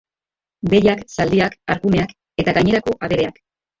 Behiak, zaldiak, arkumeak eta gainerako abereak.